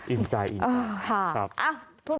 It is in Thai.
อินใจอินใจ